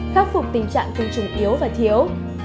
khắc phục tình trạng tinh trùng yếu và thiếu